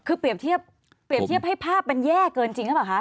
คือเปรียบเทียบเปรียบเทียบให้ภาพมันแย่เกินจริงหรือเปล่าคะ